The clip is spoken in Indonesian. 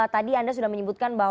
tadi anda sudah menyebutkan